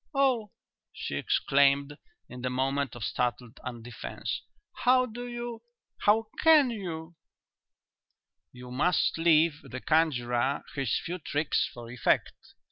"Oh!" she exclaimed, in the moment of startled undefence, "how do you how can you " "You must leave the conjurer his few tricks for effect.